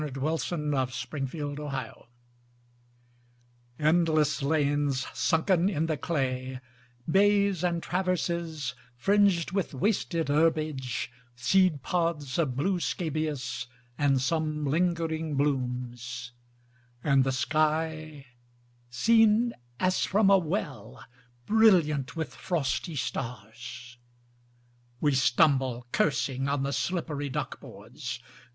Frederic Manning THE TRENCHES ENDLESS lanes sunken in the clay, Bays, and traverses, fringed with wasted herbage, Seed pods of blue scabious, and some lingering blooms ; And the sky, seen as from a well, Brilliant with frosty stars. We stumble, cursing, on the slippery duck boards.